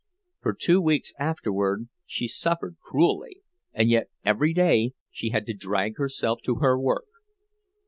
For two weeks afterward she suffered cruelly—and yet every day she had to drag herself to her work.